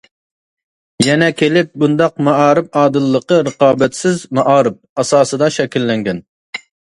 يەنە كېلىپ بۇنداق مائارىپ ئادىللىقى‹‹ رىقابەتسىز مائارىپ›› ئاساسىدا شەكىللەنگەن.